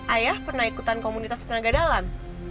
ayah pernah ikutan komunitas tenaga dalam